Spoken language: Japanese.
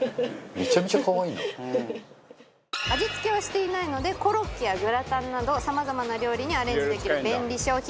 味付けはしていないのでコロッケやグラタンなどさまざまな料理にアレンジできる便利商品。